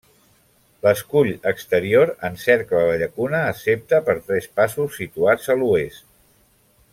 L'escull exterior encercla la llacuna excepte per tres passos situats a l'oest.